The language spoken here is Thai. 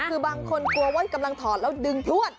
คือบางคนกลัวว่ากำลังถอดแล้วดึงพลวด